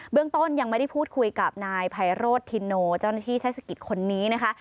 เรื่องต้นยังไม่ได้พูดคุยกับนายไพโรธทินโนเจ้าหน้าที่เทศกิจคนนี้นะคะ